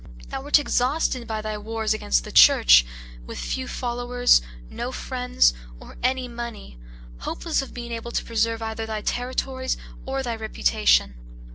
Thou wert exhausted by thy wars against the church; with few followers, no friends, or any money; hopeless of being able to preserve either thy territories or thy reputation.